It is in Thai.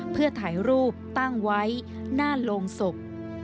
เพื่อถ่ายรูปตั้งไว้หน้าโรงศพ